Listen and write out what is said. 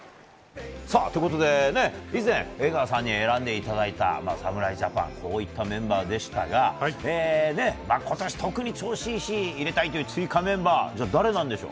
以前、江川さんに選んでいただいた侍ジャパンこういったメンバーでしたが今年特に調子いいし入れたいという追加メンバー誰なんでしょう？